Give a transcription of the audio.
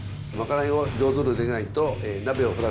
まかないを上手にできないと。